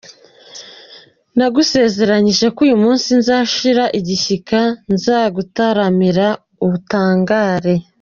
Nagusezeranije ko umunsi nzashira igishyika, nzagutaramira utangare.